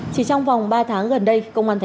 chỉ trong vòng ba tháng gần đây